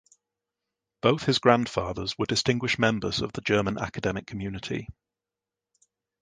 Both his grandfathers were distinguished members of the German academic community.